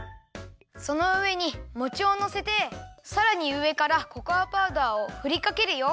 そのうえにもちをのせてさらにうえからココアパウダーをふりかけるよ！